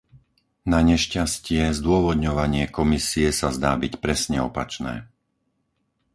Nanešťastie, zdôvodňovanie Komisie sa zdá byť presne opačné.